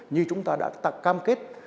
như chúng ta đã cam kết